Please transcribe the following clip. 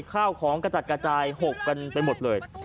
ข้าวของกระจัดกระจายหกกันไปหมดเลย